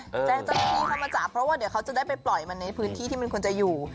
แจ้งเจ้าหน้าที่เข้ามาจับเพราะว่าเดี๋ยวเขาจะได้ไปปล่อยมันในพื้นที่ที่มันควรจะอยู่